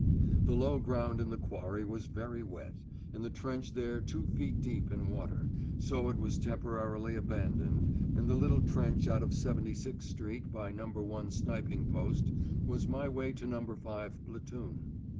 The low ground in the quarry was very wet, and the trench there two feet deep in water, so it was temporarily abandoned, and the little trench out of 76 Street by No. 1 Sniping Post was my way to No. 5 Platoon.